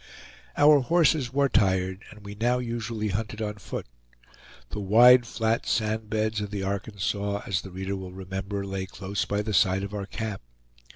Our horses were tired, and we now usually hunted on foot. The wide, flat sand beds of the Arkansas, as the reader will remember, lay close by the side of our camp.